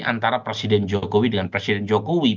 antara presiden jokowi dengan presiden jokowi